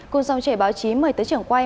cùng dòng trẻ báo chí mời tới trưởng quay